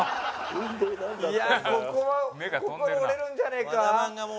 いやあここは心折れるんじゃねえか？